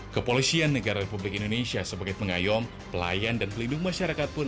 kepolisian negara republik indonesia sebagai pengayom pelayan dan pelindung masyarakat pun